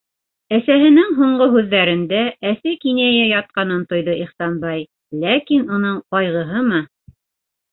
- Әсәһенең һуңғы һүҙҙәрендә әсе кинәйә ятҡанын тойҙо Ихсанбай, ләкин уның ҡайғыһымы?